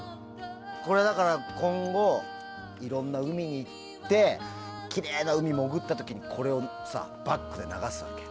これ、今後いろんな海に行ってきれいな海に潜った時にこれをバックで流すわけ。